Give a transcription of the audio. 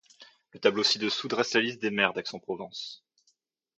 Le tableau ci-dessous dresse la liste des maires d'Aix-en-Provence.